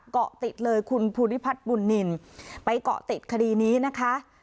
เกาะติดเลยคุณภูริพัฒน์บุญนินไปเกาะติดคดีนี้นะคะ